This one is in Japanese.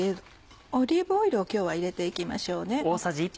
オリーブオイルを今日は入れて行きましょうね。